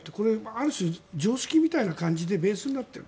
ある種、常識みたいな感じでベースになっている。